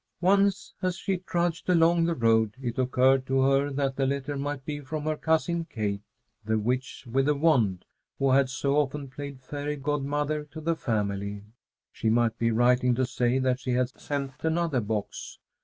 Once as she trudged along the road, it occurred to her that the letter might be from her cousin Kate, the "witch with a wand," who had so often played fairy godmother to the family. She might be writing to say that she had sent another box.